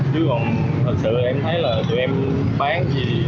chứ còn thật sự em thấy là tụi em bán chị